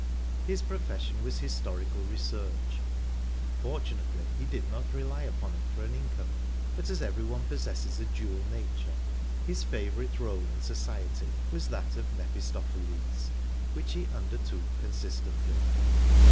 His profession was historical research fortunately, he did not rely upon it for an income but, as everyone possesses a dual nature, his favourite role in society was that of Mephistopheles, which he undertook consistently.